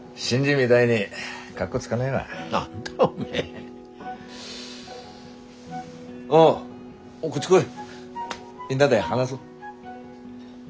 みんなで話そ。